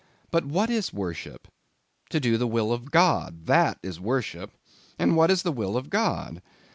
But what is worship?—to do the will of God—that is worship. And what is the will of God?